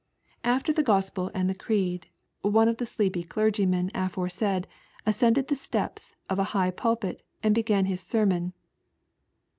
After the Gospel and the Creed, one of the sleepy clergymen aforesaid ascended the steps of a high pulpit and began his sermon.